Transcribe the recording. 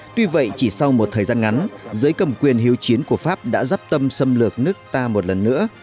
tuy vậy chỉ sau một thời gian ngắn giới cầm quyền hiếu chiến của pháp đã dắp tâm xâm lược nước ta một lần nữa